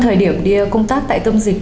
thời điểm đi công tác tại tông dịch